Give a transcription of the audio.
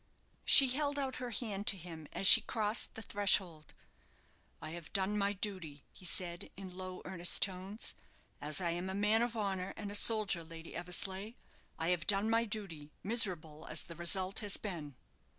She held out her hand to him as she crossed the threshold. "I have done my duty," he said, in low, earnest tones, "as I am a man of honour and a soldier, Lady Eversleigh; I have done my duty, miserable as the result has been."